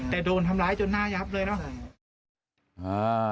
แต่โดนทำร้ายจนหน้ายับเลยเนาะ